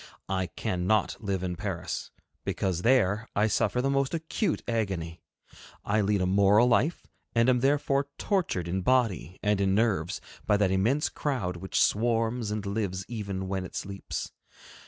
I cannot live in Paris, because there I suffer the most acute agony. I lead a moral life, and am therefore tortured in body and in nerves by that immense crowd which swarms and lives even when it sleeps.